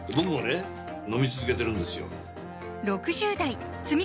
飲み続けてるんですよ